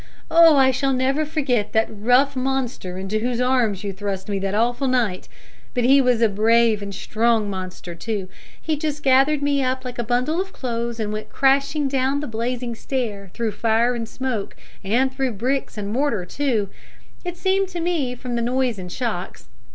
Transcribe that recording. Oh! I shall never forget that rough monster into whose arms you thrust me that awful night; but he was a brave and strong monster too. He just gathered me up like a bundle of clothes, and went crashing down the blazing stair, through fire and smoke and through bricks and mortar too, it seemed to me, from the noise and shocks.